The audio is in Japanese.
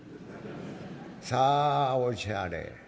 「さあおっしゃれ」。